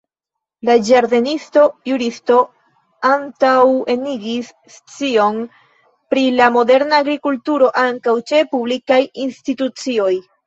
La ĝardenisto-juristo antaŭenigis scion pri la moderna agrikulturo ankaŭ ĉe publikaj institucioj.